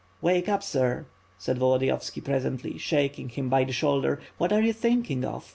"Wake up, sir/' said Volodiyovski, presently, shaking him by the shoulder, "What are you thinking of?